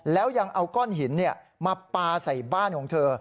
แล้วยังเอาก้อนหินมาปลาใส่บ้านของเธอ